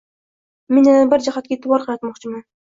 Men yana bir jihatga e’tibor qaratmoqchiman.